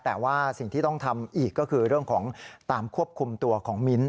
แต่ว่าสิ่งที่ต้องทำอีกก็คือเรื่องของตามควบคุมตัวของมิ้นท